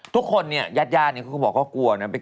ทุกคนเนี่ยญาติญาติเนี่ยเขาก็บอกก็กลัวนะ